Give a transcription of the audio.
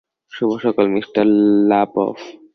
শুভ সকাল, mister La বফ।